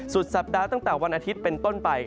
สุดสัปดาห์ตั้งแต่วันอาทิตย์เป็นต้นไป